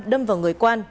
đâm vào người quan